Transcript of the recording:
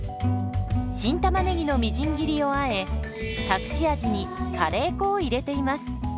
新たまねぎのみじん切りをあえ隠し味にカレー粉を入れています。